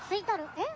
えっ？